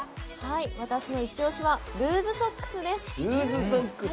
私のイチ推しはルーズソックスです。